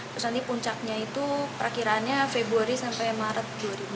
terus nanti puncaknya itu perakiraannya februari sampai maret dua ribu dua puluh